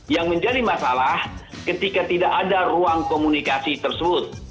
yang menjadi masalah ketika tidak ada ruang komunikasi tersebut